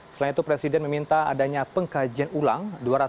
selain itu presiden meminta adanya pengkajian ulang